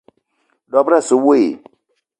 Dob-ro asse we i?